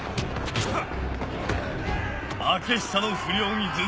あっ！